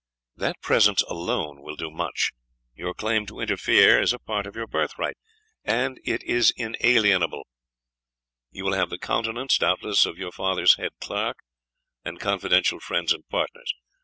"That presence alone will do much. Your claim to interfere is a part of your birthright, and it is inalienable. You will have the countenance, doubtless, of your father's head clerk, and confidential friends and partners.